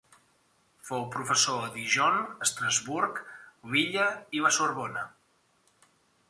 Fou professor a Dijon, Estrasburg, Lilla i la Sorbona.